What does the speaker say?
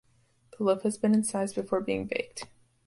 The loaf has been incised before being baked.